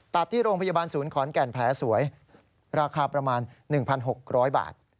ที่โรงพยาบาลศูนย์ขอนแก่นแผลสวยราคาประมาณ๑๖๐๐บาท